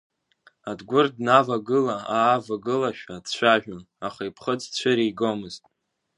Адгәыр днавагыла-аавагылашәа дцәажәон, аха иԥхыӡ цәыригомызт.